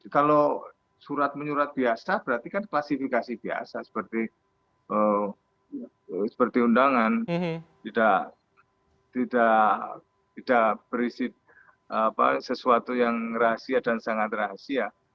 kalau surat menyurat biasa berarti kan klasifikasi biasa seperti undangan tidak berisi sesuatu yang rahasia dan sangat rahasia